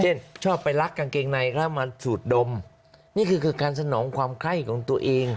ชอบไปลักกางเกงในแล้วมาสูดดมนี่คือคือการสนองความไข้ของตัวเอง